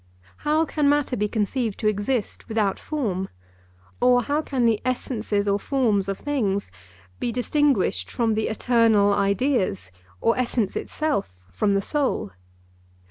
How can matter be conceived to exist without form? Or, how can the essences or forms of things be distinguished from the eternal ideas, or essence itself from the soul?